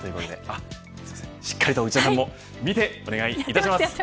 しっかりと内田さんも見て、お願いいたします。